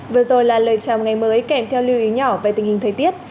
vừa rồi là lời chào ngày mới kèm theo lưu ý nhỏ về tình hình thời tiết